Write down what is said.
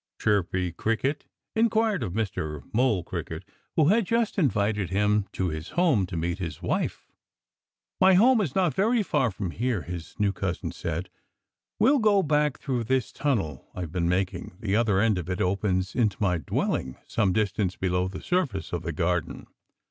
Chirpy Cricket inquired of Mr. Mole Cricket, who had just invited him to his home to meet his wife. "My home is not very far from here," his new cousin said. "We'll go back through this tunnel I've been making. The other end of it opens into my dwelling, some distance below the surface of the garden.